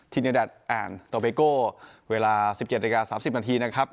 ทิเนอร์แดดแอนด์โตเบโก้เวลาสิบเจ็ดนาฬิกาสามสิบนาทีนะครับ